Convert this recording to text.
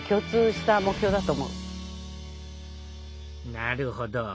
なるほど。